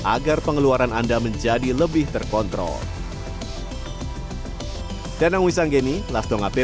agar pengeluaran anda menjadi lebih terkontrol